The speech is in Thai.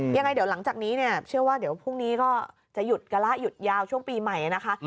ยังไงเดี๋ยวหลังจากนี้เนี่ยเชื่อว่าเดี๋ยวพรุ่งนี้ก็จะหยุดกระหยุดยาวช่วงปีใหม่นะคะ